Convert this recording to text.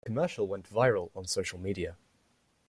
The commercial went viral on social media.